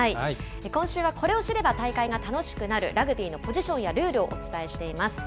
今週は、これを知れば大会が楽しくなる、ラグビーのポジションやルールをお伝えしています。